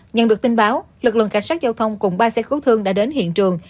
nhận được tin báo lực lượng cảnh sát giao thông cùng ba xe cứu thương đã đến hiện trường